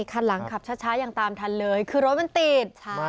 คันหลังขับช้ายังตามทันเลยคือรถมันติดใช่